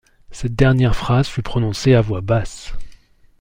Cette dernière phrase fut prononcée à voir basse.